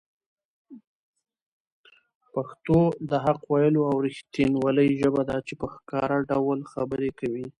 پښتو د حق ویلو او رښتینولۍ ژبه ده چي په ښکاره ډول خبرې کوي.